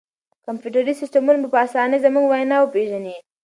کمپیوټري سیسټمونه به په اسانۍ زموږ وینا وپېژني.